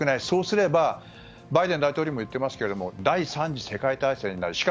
そうすれば、バイデン大統領も言っていますけど第３次世界大戦になる。